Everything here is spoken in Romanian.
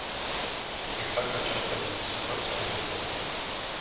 Exact aceasta este situația în prezent!